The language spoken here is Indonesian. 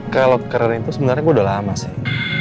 kalo keren itu sebenernya gue udah lama sih